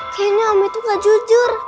kayaknya om itu gak jujur